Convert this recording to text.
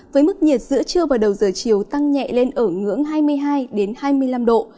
với mức nhiệt giữa trưa và đầu giờ chiều tăng nhẹ lên ở ngưỡng hai mươi hai hai mươi năm độ